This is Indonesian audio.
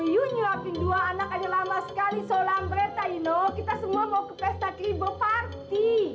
yu nyuapin dua anak aja lama sekali sohlamberta ino kita semua mau ke pesta keribu party